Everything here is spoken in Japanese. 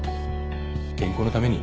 健康のために。